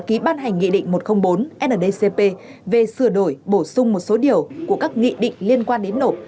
ký ban hành nghị định một trăm linh bốn ndcp về sửa đổi bổ sung một số điều của các nghị định liên quan đến nộp